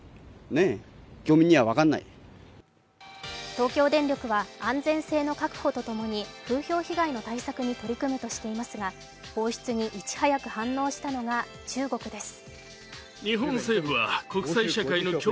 東京電力は安全性の確保とともに風評被害の対策に取り組むとしていますが放出にいち早く反応したのが中国です。